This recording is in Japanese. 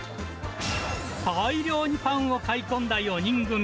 大量にパンを買い込んだ４人組。